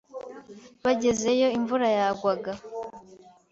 Bagezeyo imvura yagwaga.